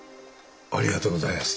ありがとうございます。